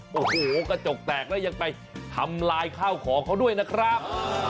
โอ้โหกระจกแตกแล้วยังไปทำลายข้าวของเขาด้วยนะครับ